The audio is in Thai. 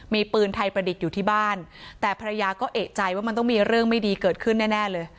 มีปืนไทยประดิษฐ์อยู่ที่บ้านแต่ภรรยาก็เอกใจว่ามันต้องมีเรื่องไม่ดีเกิดขึ้นแน่เลย